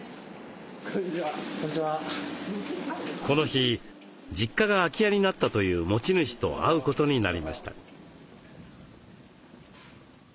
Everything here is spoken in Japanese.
この日実家が空き家になったという持ち主と会うことになりました。